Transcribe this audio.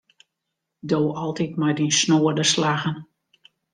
Do altyd mei dyn snoade slaggen.